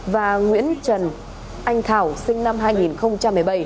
và nguyễn trần anh thảo sinh năm hai nghìn một mươi bảy